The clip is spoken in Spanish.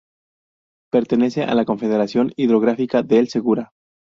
Pertenece a la Confederación Hidrográfica del Segura.